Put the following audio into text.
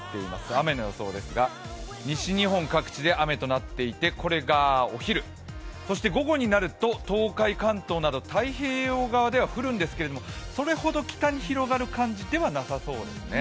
雨の予想ですが、西日本各地で雨となっていて、これがお昼、午後になると、東海、関東など太平洋側では降るんですけどそれほど北に広がる感じではなさそうですね。